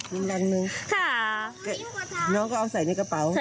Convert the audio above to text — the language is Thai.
นมลักหนึ่งค่ะหนูเอาใส่ในกระเป๋าใช่